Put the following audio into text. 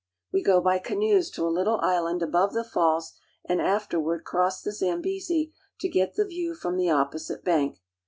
We go by canoes to a little island above the falls, and afterward cross the Zambezi to get the view from the opposite bank.